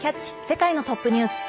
世界のトップニュース」。